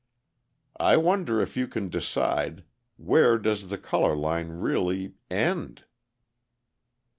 "I wonder if you can decide: 'Where does the colour line really end?'"